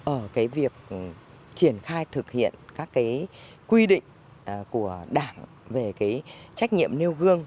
ở việc triển khai thực hiện các quy định của đảng về trách nhiệm nêu gương